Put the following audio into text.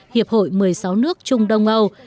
hiệp hội một mươi sáu nước trung đông âu